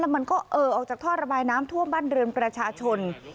มันก็เอ่อออกจากท่อระบายน้ำท่วมบ้านเรือนประชาชน